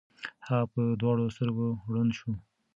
هغه په دواړو سترګو ړوند شو.